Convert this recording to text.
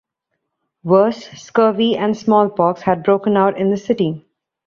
Worse, scurvy and smallpox had broken out in the city.